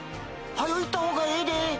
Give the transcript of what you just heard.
早行ったほうがええで！